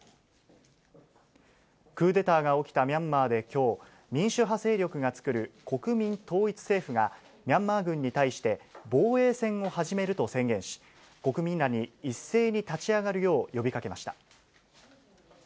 クーデターが起きたミャンマーできょう、民主派勢力が作る国民統一政府が、ミャンマー軍に対して、防衛戦を始めると宣言し、国民らに一斉に立ち上がるよう呼びかけました。